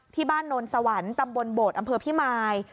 โนนสวรรค์ตำบลโบดอำเภอพิมาย